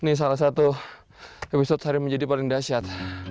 ini salah satu episode sehari yang menjadi paling dahsyat